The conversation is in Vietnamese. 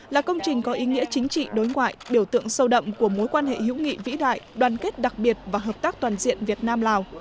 là công trình có ý nghĩa chính trị đối ngoại biểu tượng sâu đậm của mối quan hệ hữu nghị vĩ đại đoàn kết đặc biệt và hợp tác toàn diện việt nam lào